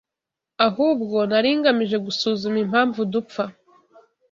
Ahubwo nari ngamije gusuzuma impamvu dupfa